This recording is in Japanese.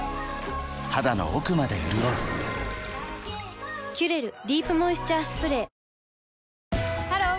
肌の奥まで潤う「キュレルディープモイスチャースプレー」ハロー！